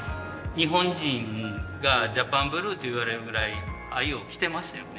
日本人がジャパンブルーといわれるぐらい藍を着てましたよね